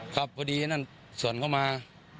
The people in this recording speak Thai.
ครับพอดีนั่นสวนเข้ามา